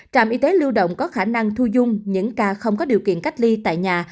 trạm y tế lưu động có khả năng thu dung những ca không có điều kiện cách ly tại nhà